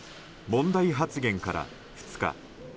問題発言から２日。